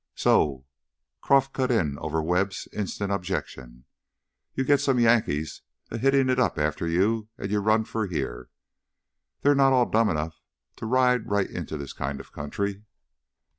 "So," Croff cut in over Webb's instant objection, "you get some Yankees a hittin' it up after you, and you run for here. They're not all dumb enough to ride right into this kind of country."